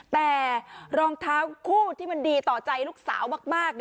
แต่รองเท้าคู่ที่มันดีต่อใจลูกสาวมาก